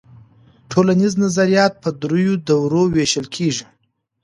ټولنیز نظریات په درېیو دورو وېشل کيږي.